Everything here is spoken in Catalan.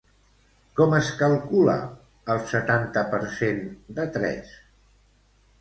Com es calcula el setanta per cent de tres?